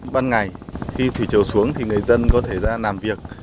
ban ngày khi thủy chiều xuống thì người dân có thể ra làm việc